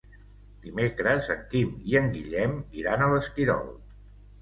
Dimecres en Quim i en Guillem iran a l'Esquirol.